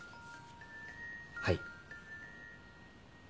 はい。